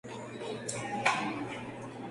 Graciela Iturbide.